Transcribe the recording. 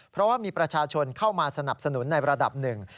เพราะว่ามีประชาชนเข้ามาสนับสนุนในระดับหนึ่ง